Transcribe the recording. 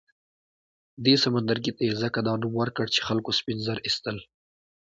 دې سمندرګي ته یې ځکه دا نوم ورکړ چې خلکو سپین زر اېستل.